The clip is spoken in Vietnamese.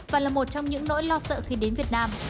và là một trong những nỗi lo sợ khi đến việt nam